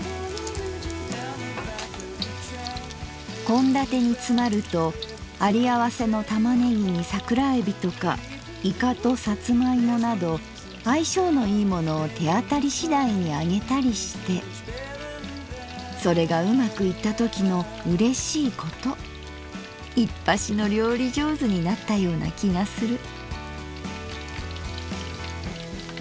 「献立につまるとあり合わせの玉ねぎに桜えびとかいかとさつま芋など合い性のいいものを手当たり次第に揚げたりしてそれがうまくいったときの嬉しいこといっぱしの料理上手になったような気がする」。